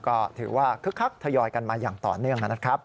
ก็ถือว่าคึกคักทยอยกันมาอย่างต่อเนื่องนะครับ